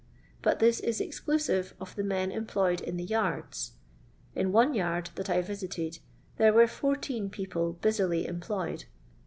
But this is exclusive of the men employed in the yards. In one yard that I visited there were fourteen people busily employed.